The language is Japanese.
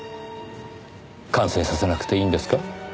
完成させなくていいんですか？